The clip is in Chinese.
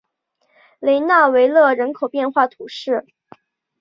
雷讷维勒人口变化图示